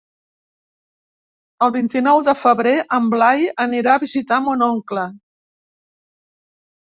El vint-i-nou de febrer en Blai anirà a visitar mon oncle.